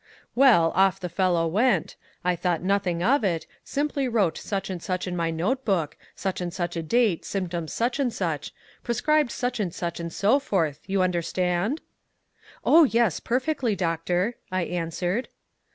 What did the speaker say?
"Well, off the fellow went I thought nothing of it simply wrote such and such in my note book, such and such a date, symptoms such and such prescribed such and such, and so forth, you understand?" "Oh, yes, perfectly, doctor," I answered.